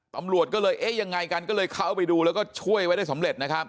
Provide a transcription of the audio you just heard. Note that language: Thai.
ตำรวจก็เลยเอ๊ะยังไงกันก็เลยเข้าไปดูแล้วก็ช่วยไว้ได้สำเร็จนะครับ